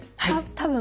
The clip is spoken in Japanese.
多分。